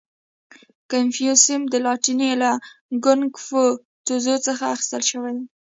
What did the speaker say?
• کنفوسیوس د لاتیني له کونګ فو تزو څخه اخیستل شوی دی.